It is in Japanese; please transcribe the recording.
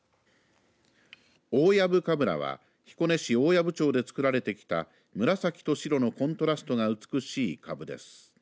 大藪かぶらは彦根市大藪町で作られてきた紫と白のコントラストが美しいカブです。